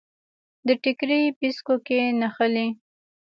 د ټیکري پیڅکو کې نښلي